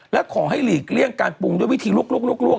และขอให้หลีกเลี่ยงการปรุงด้วยวิธีลวก